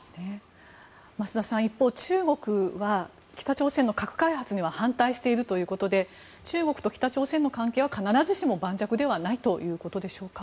増田さん、一方、中国は北朝鮮の核開発には反対しているということで中国と北朝鮮の関係は必ずしも盤石ではないということでしょうか。